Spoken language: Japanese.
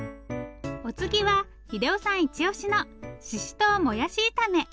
お次は秀雄さんイチ押しのししとうもやし炒め。